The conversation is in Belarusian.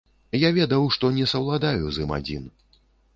Я ведаў, што не саўладаю з ім адзін.